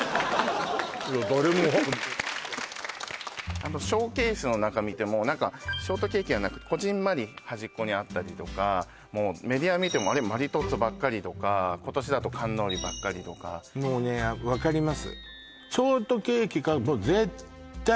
あとショーケースの中見ても何かショートケーキはこぢんまり端っこにあったりとかもうメディア見てもあれっマリトッツォばっかりとか今年だとカンノーリばっかりとかもうね分かります